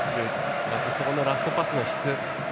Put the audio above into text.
そして、ラストパスの質。